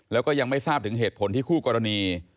แล้วก็ยังไม่ทราบถึงเหตุผลที่คู่กรณี